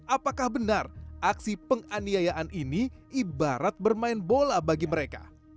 apakah benar aksi penganiayaan ini ibarat bermain bola bagi mereka